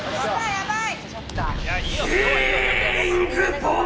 やばい！